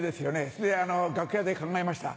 それで楽屋で考えました。